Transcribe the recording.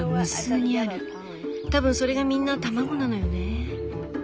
多分それがみんな卵なのよね。